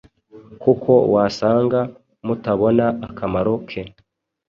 Kuko wasanga mutabona akamaro ke